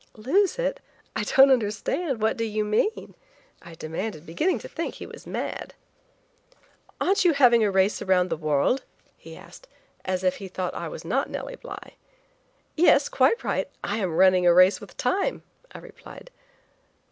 "Lose it? I don't understand. What do you mean?" I demanded, beginning to think he was mad. "Aren't you having a race around the world?" he asked, as if he thought I was not Nellie Bly. "Yes; quite right. I am running a race with Time," I replied.